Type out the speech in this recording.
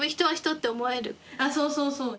あそうそうそう。